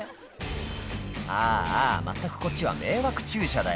「ああまったくこっちは迷惑駐車だよ」